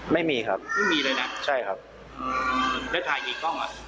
ไม่มีครับไม่มีเลยนะใช่ครับอืมแล้วถ่ายกี่กล้องอ่ะ